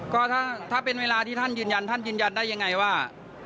ก็ถ้าเป็นเวลาที่ท่านยืนยันท่านยืนยันได้ยังไงว่า